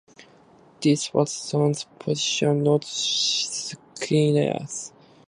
This is Watson's position, not Skinner's.